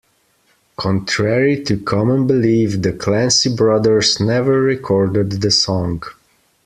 Contrary to common belief, The Clancy Brothers never recorded the song.